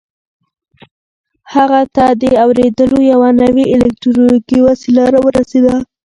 هغه ته د اورېدلو یوه نوې الکټرونیکي وسیله را ورسېده